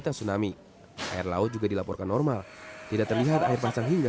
mereka segera menjauh di pantai dan hampir dua jam kalau tidak salah bmkg mencabut itu